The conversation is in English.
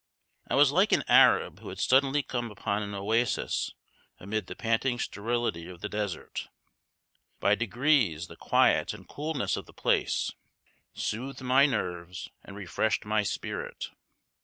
I was like an Arab who had suddenly come upon an oasis amid the panting sterility of the desert. By degrees the quiet and coolness of the place soothed my nerves and refreshed my spirit.